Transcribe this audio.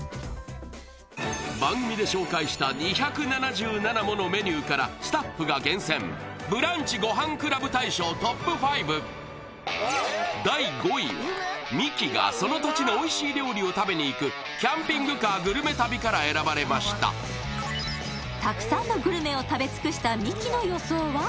番組で紹介した２７７ものメニューからスタッフが厳選ブランチごはんクラブ大賞ＴＯＰ５第５位はミキがその土地のおいしい料理を食べに行くキャンピングカーグルメ旅から選ばれましたたくさんのグルメを食べ尽くしたミキの予想は？